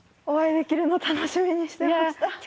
お会いできるのを楽しみにしてました。